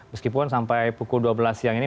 meskipun sampai pukul dua belas siang ini